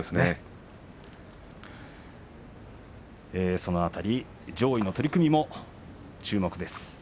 その辺り上位の取組も注目です。